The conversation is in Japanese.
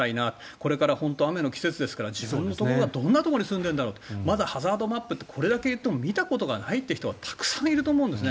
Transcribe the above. これから本当に雨の季節ですから自分はどんなところに住んでいるんだろうまだハザードマップってこれだけ言っても見たことがないという人がたくさんいると思うんですね。